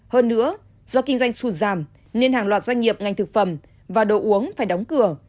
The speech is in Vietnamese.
hơn nữa do kinh doanh sụt giảm nên hàng loạt doanh nghiệp ngành thực phẩm và đồ uống phải đóng cửa